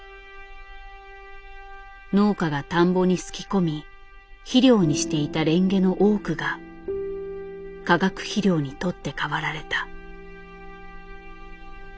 農家が田んぼにすき込み肥料にしていたレンゲの多くが化学肥料に取って代わられた。